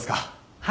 はい。